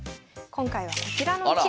今回はこちらの１枚。